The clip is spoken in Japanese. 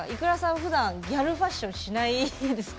ふだんギャルファッションしないですか。